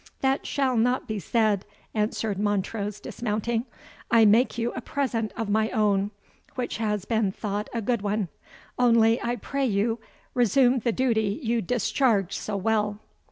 ] "That shall not be said," answered Montrose, dismounting; "I make you a present of my own, which has been thought a good one; only, I pray you, resume the duty you discharge so well."